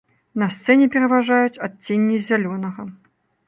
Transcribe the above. На сцэне пераважаюць адценні зялёнага.